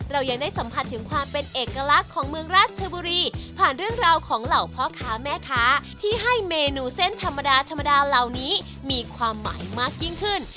เรายังได้สัมผัสถึงความเป็นเอกลักษณ์ของเมืองราชบุรีผ่านเรื่องราวของเหล่าพ่อค้าแม่ค้าที่ให้เมนูเส้นธรรมดาธรรมดาเหล่านี้มีความหมายมากยิ่งขึ้น